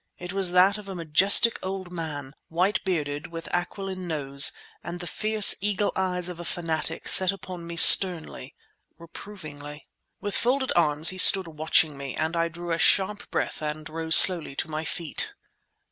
It was that of a majestic old man, white bearded, with aquiline nose, and the fierce eagle eyes of a fanatic set upon me sternly, reprovingly. With folded arms he stood watching me, and I drew a sharp breath and rose slowly to my feet.